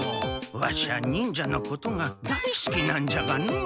ワシは忍者のことが大すきなんじゃがのう。